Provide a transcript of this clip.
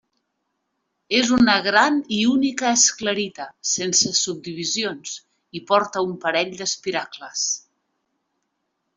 És una gran i única esclerita, sense subdivisions i porta un parell d'espiracles.